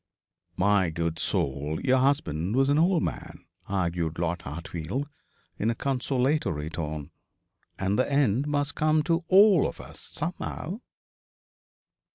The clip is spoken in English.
'My good soul, your husband was an old man,' argued Lord Hartfield, in a consolatory tone, 'and the end must come to all of us somehow.'